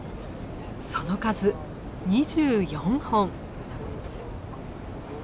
その数２４本。